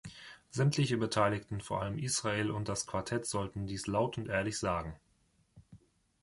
Sämtliche Beteiligten, vor allem Israel, und das Quartett sollten dies laut und ehrlich sagen.